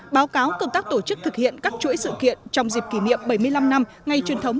báo cáo công tác tổ chức thực hiện các chuỗi sự kiện trong dịp kỷ niệm bảy mươi năm năm ngày truyền thống